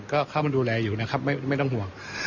ก็เข้ามาดูแลอยู่นะครับไม่ต้องห่วง